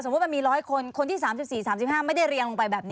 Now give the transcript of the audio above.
มันมี๑๐๐คนคนที่๓๔๓๕ไม่ได้เรียงลงไปแบบนี้